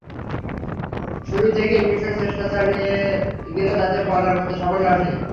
শুরু থেকেই মিসর চেষ্টা চালিয়ে গেলেও তাতে বলার মতো সাফল্য আসেনি।